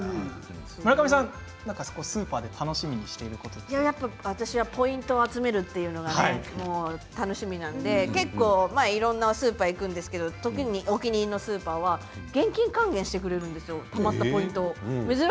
村上さん、スーパーで楽しみにしていることって私はポイントを集めるというのが楽しみなので結構、いろいろなスーパーに行くんですけどお気に入りのスーパーは現金還元してくれるんですよ